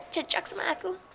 cocok sama aku